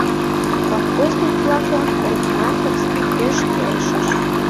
Колхозник-влаклан парикмахерский пеш келшыш.